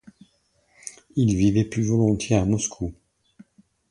Il vivait plus volontiers à Moscou.